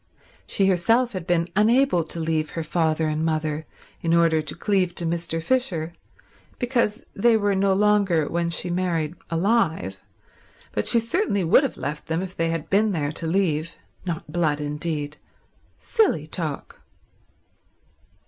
She herself had been unable to leave her father and mother in order to cleave to Mr. Fisher because they were no longer, when she married, alive, but she certainly would have left them if they had been there to leave. Not blood, indeed. Silly talk.